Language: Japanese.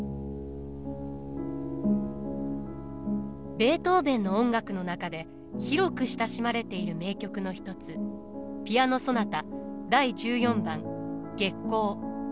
ベートーヴェンの音楽の中で広く親しまれている名曲の一つ「ピアノソナタ第１４番『月光』」。